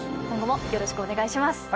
今後もよろしくお願いします。